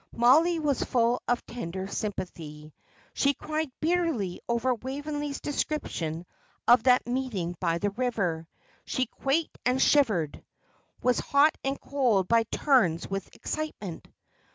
Mollie was full of tender sympathy. She cried bitterly over Waveney's description of that meeting by the river. She quaked and shivered, was hot and cold by turns with excitement.